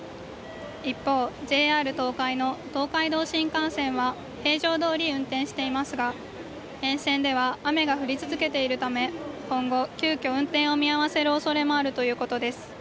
一方、ＪＲ東海の東海道新幹線は平常どおり運転していますが沿線では雨が降り続けているため今後、急きょ運転を見合わせるおそれもあるということです。